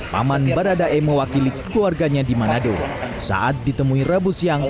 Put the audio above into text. paman baradae mewakili keluarganya di manado saat ditemui rabu siang